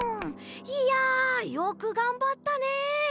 いやよくがんばったね！